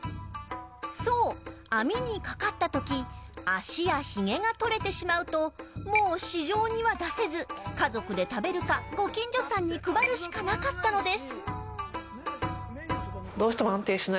そう、網にかかったとき脚やヒゲが取れてしまうともう市場には出せず家族で食べるかご近所さんに配るしかなかったのです。